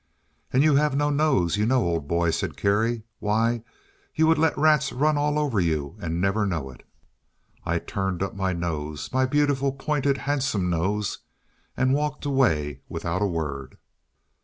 "And you have no nose, you know, old boy," said Kerry; "why, you would let the rats run all over you and never know it." I turned up my nose my beautiful, pointed, handsome nose and walked away without a word.